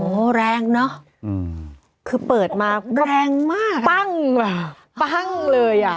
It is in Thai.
โอ้โหแรงเนอะคือเปิดมาแรงมากปั้งปั้งเลยอ่ะ